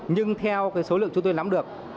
nhưng theo cái số lượng chúng tôi nắm được